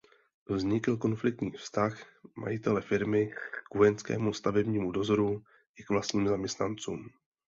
Vznikl konfliktní vztah majitele firmy k vojenskému stavebnímu dozoru i k vlastním zaměstnancům.